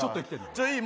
じゃあいい